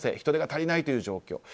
人手が足りないという状況。